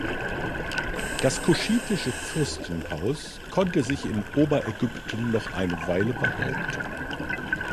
Das kuschitische Fürstenhaus konnte sich in Oberägypten noch eine Weile behaupten.